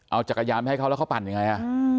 เอาจักรยานให้เขาแล้วเขาปั่นยังไง